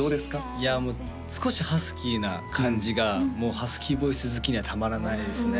いやもう少しハスキーな感じがもうハスキーボイス好きにはたまらないですね